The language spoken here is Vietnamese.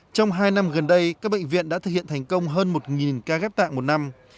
trong hai năm gần đây các bệnh viện đã thực hiện thành công hơn một ca ghép tạng một năm